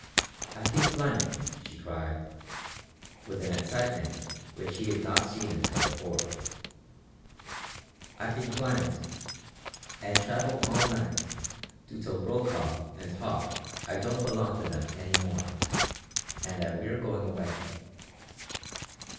"I can climb it," she cried, with an excitement which he had not seen in her before. "I can climb it and travel all night to tell Brokaw and Hauck I don't belong to them any more, and that we're going away!